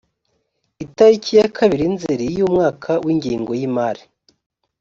itariki ya kabiri nzeri y umwaka w ingengo y imari